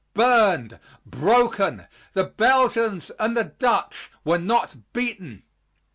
Burned, broken, the Belgians and the Dutch were not beaten.